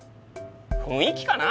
雰囲気かな？